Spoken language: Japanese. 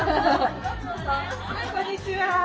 こんにちは。